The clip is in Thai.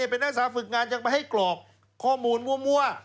เป็นนักศึกษาฝึกงานยังไปให้กรอกข้อมูลมั่ว